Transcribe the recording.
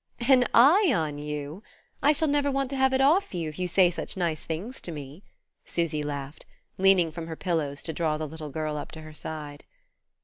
"An eye on you! I shall never want to have it off you, if you say such nice things to me!" Susy laughed, leaning from her pillows to draw the little girl up to her side.